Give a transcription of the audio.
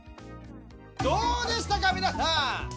どうでしたか皆さん